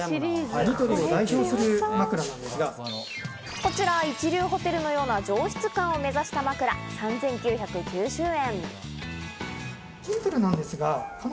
こちら一流ホテルのような上質感を目指した枕、３９９０円。